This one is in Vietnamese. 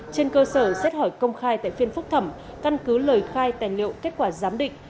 trên cơ sở xét hỏi công khai tại phiên phúc thẩm căn cứ lời khai tài liệu kết quả giám định